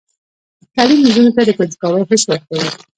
تعلیم نجونو ته د کنجکاوۍ حس ورکوي.